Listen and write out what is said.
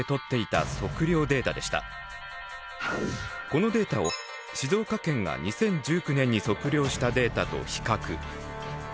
このデータを静岡県が２０１９年に測量したデータと比較。